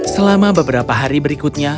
selama beberapa hari berikutnya